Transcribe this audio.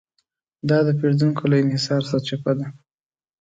دا د پېریدونکو له انحصار سرچپه دی.